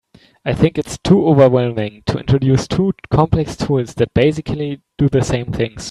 I think it’s too overwhelming to introduce two complex tools that basically do the same things.